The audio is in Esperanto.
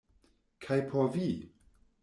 Kaj por vi?